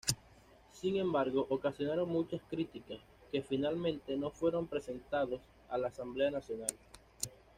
Sin embargo, ocasionaron muchas críticas, que finalmente no fueron presentados a la Asamblea Nacional.